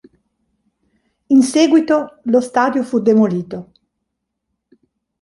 In seguito lo stadio fu demolito.